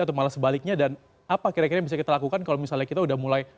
atau malah sebaliknya dan apa kira kira yang bisa kita lakukan kalau misalnya kita udah mulai